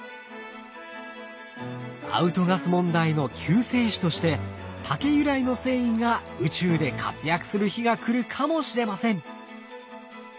アウトガス問題の救世主として竹由来の繊維が宇宙で活躍する日が来るかもしれません。